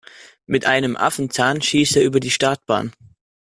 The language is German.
Mit einem Affenzahn schießt er über die Startbahn.